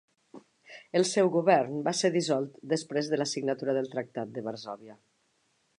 El seu govern va ser dissolt després de la signatura del Tractat de Varsòvia.